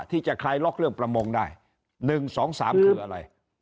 ที่จะคลายล็อกเรื่องประมงได้๑๒๓คืออะไร